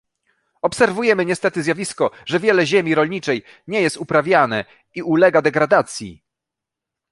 Obserwujemy niestety zjawisko, że wiele ziemi rolniczej nie jest uprawiane i ulega degradacji